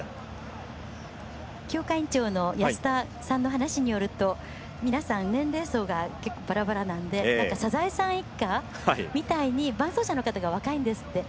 強化委員長の話によると皆さん年齢層が結構バラバラなのでサザエさん一家みたいに伴走者の方が若いんですって。